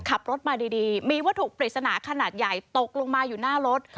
ขับรถมาดีมีวัตถุปริศนาขนาดใหญ่ตกลงมาอยู่หน้ารถ